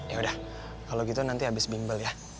yaudah kalau gitu nanti habis bimbel ya